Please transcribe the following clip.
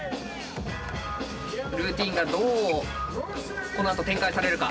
ルーティーンがどうこのあと展開されるか？